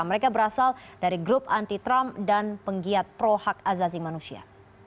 mereka berasal dari grup anti trump dan penggiat pro hak azazi manusia